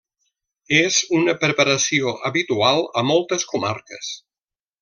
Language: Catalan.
És una preparació habitual a moltes comarques.